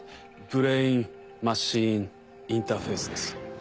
ブレイン・マシン・インターフェースです。